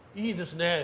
いいですね。